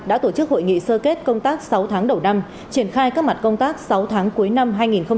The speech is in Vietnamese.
đã tổ chức hội nghị sơ kết công tác sáu tháng đầu năm triển khai các mặt công tác sáu tháng cuối năm hai nghìn hai mươi